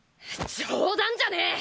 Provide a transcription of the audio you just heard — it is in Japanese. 冗談じゃねえ！